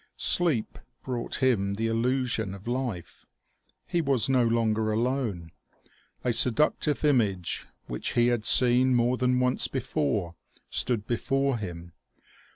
Sleep brought him the illusion of life. He was no longer alone. A seductive image which he had seen more than once before, stood be : fore him.